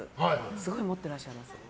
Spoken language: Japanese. すごい持ってらっしゃいますよね。